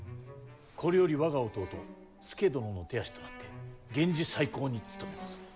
これより我が弟佐殿の手足となって源氏再興に努めまする。